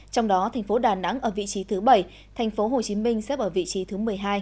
trong đó thành phố đà nẵng ở vị trí thứ bảy thành phố hồ chí minh xếp ở vị trí thứ một mươi hai